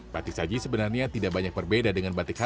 batik saji sebenarnya tidak banyak berbeda dengan batik khas